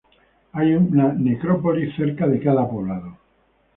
Hay una necrópolis cerca de cada poblado.